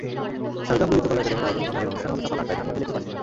সারগাম ললিতকলা একাডেমির আয়োজনে গানের অনুষ্ঠান হবে সকাল আটটায় ধানমন্ডি লেকের পাশে।